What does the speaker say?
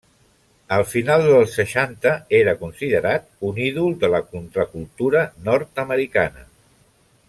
A finals dels seixanta era considerat un ídol de la contracultura nord-americana.